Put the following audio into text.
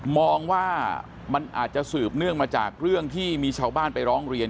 มองว่ามันอาจจะสืบเนื่องมาจากเรื่องที่มีชาวบ้านไปร้องเรียน